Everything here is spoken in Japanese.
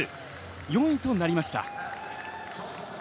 ４位となりました。